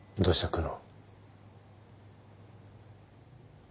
久能。